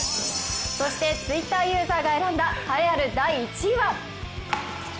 そしてＴｗｉｔｔｅｒユーザーが選んだ栄えある第１位は？